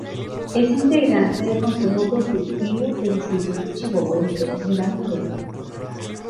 Es integrante del Consejo Consultivo del Instituto Chihuahuense de la Mujer.